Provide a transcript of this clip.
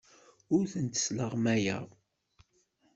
Ur tent-sleɣmayeɣ.